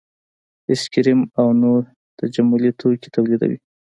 ایس کریم او نور تجملي توکي تولیدوي